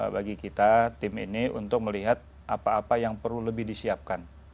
bagi kita tim ini untuk melihat apa apa yang perlu lebih disiapkan